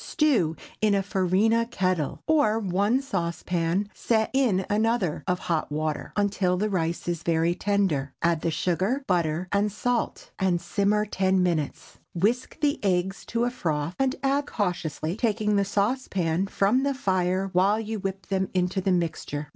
Stew in a farina kettle, or one saucepan set in another of hot water, until the rice is very tender. Add the sugar, butter and salt, and simmer ten minutes. Whisk the eggs to a froth, and add cautiously, taking the saucepan from the fire while you whip them into the mixture.